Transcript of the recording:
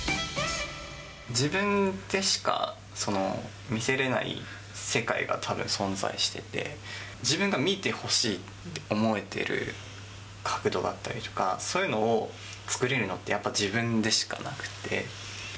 自分でしか見せれない世界がたぶん存在してて、自分が見てほしいって思えてる角度だったりとか、そういうのを作れるのって、やっぱ自分でしかなくて。